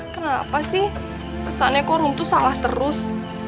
kenapa sih kesannya kok rom tuh salah terus